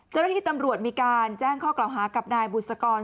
เจ้าหน้าที่ตำรวจมีการแจ้งข้อกล่าวหากับนายบุษกร